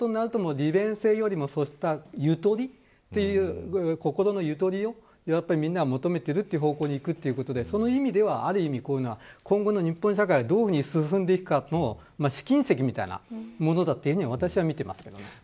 利便性よりもゆとり心のゆとりをみんなが求めている方向にいくということでその意味では今後の日本社会がどういうふうに進んでいるかの試金石みたいなものだと私は見ています。